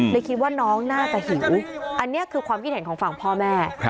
เลยคิดว่าน้องน่าจะหิวอันนี้คือความคิดเห็นของฝั่งพ่อแม่